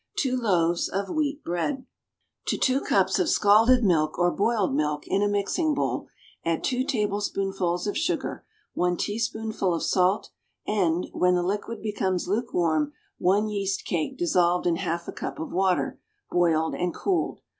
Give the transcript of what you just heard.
F.F. =Two Loaves of Wheat Bread.= To two cups of scalded milk or boiled water, in a mixing bowl, add two tablespoonfuls of sugar, one teaspoonful of salt, and, when the liquid becomes lukewarm, one yeastcake dissolved in half a cup of water, boiled and cooled.